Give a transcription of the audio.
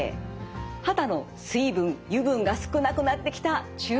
肌の水分油分が少なくなってきた中高年。